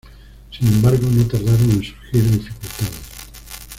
Sin embargo, no tardaron en surgir dificultades.